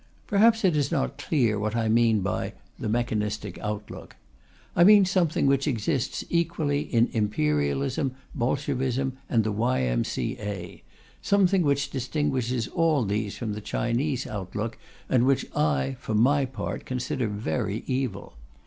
Perhaps it is not clear what I mean by "the mechanistic outlook." I mean something which exists equally in Imperialism, Bolshevism and the Y.M.C.A.; something which distinguishes all these from the Chinese outlook, and which I, for my part, consider very evil.